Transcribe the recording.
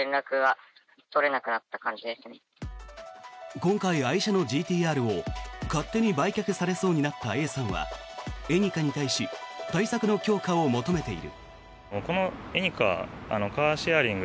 今回、愛車のＧＴ−Ｒを勝手に売却されそうになったＡさんはエニカに対し対策の強化を求めている。